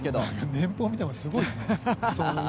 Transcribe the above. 年俸を見てもすごいですね。